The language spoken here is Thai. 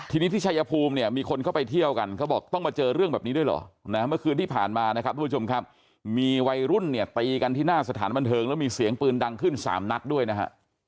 ทีนี้ที่ชายภูมิเนี่ยมีคนเข้าไปเที่ยวกันเขาบอกต้องมาเจอเรื่องแบบนี้ด้วยเหรอนะเมื่อคืนที่ผ่านมานะครับทุกผู้ชมครับมีวัยรุ่นเนี่ยตีกันที่หน้าสถานบันเทิงแล้วมีเสียงปืนดังขึ้นสามนัดด้วยนะฮะ